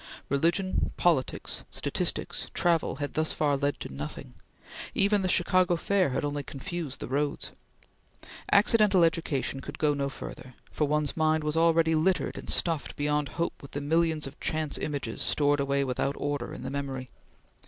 Religion, politics, statistics, travel had thus far led to nothing. Even the Chicago Fair had only confused the roads. Accidental education could go no further, for one's mind was already littered and stuffed beyond hope with the millions of chance images stored away without order in the memory.